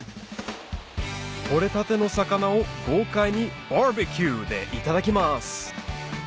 取れたての魚を豪快にバーベキューでいただきます